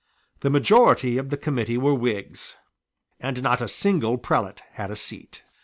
The majority of the Committee were Whigs; and not a single prelate had a seat.